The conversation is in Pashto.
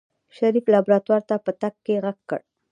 شريف لابراتوار ته په تګ کې غږ کړ.